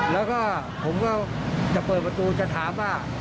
แล้วก็ผมก็จะเปิดประตูจะถามว่า